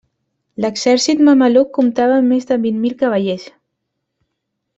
L'exèrcit mameluc comptava més de vint mil cavallers.